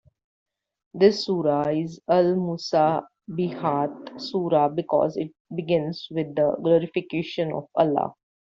This sura is a Al-Musabbihat sura because it begins with the glorification of Allah.